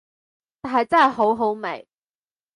但係真係好好味